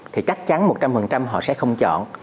thì chắc chắn một trăm linh họ sẽ không chọn